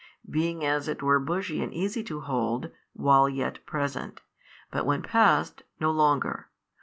being as it were bushy and easy to hold, while yet present, but when passed, no longer.